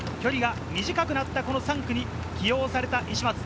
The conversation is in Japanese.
ことしは３区、距離が短くなった３区に起用された石松。